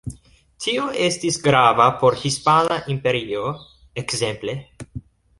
Tio estis grava por Hispana Imperio ekzemple.